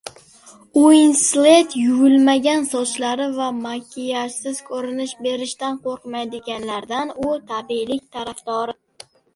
Uinslett yuvilmagan sochlar va makiyajsiz ko‘rinish berishdan qo‘rqmaydiganlardan, u tabiiylik tarafdori